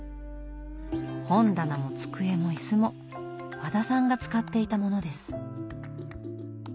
本棚も机も椅子も和田さんが使っていたものです。